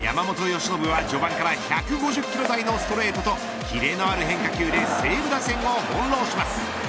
オリックスの先発、山本由伸は序盤から１５０キロ台のストレートと切れのある変化球で西武打線をほんろうします。